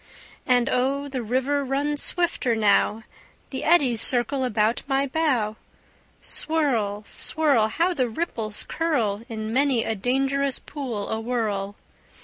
And oh, the river runs swifter now; The eddies circle about my bow. Swirl, swirl! How the ripples curl In many a dangerous pool awhirl!